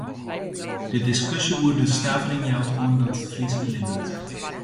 De diskusje oer de stavering jout oan dat it Frysk libbet.